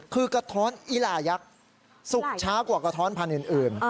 คือกระท้อนอิลายักษ์สุกช้ากว่ากระท้อนพันธุ์อื่น